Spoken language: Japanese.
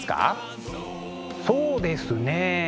そうですね。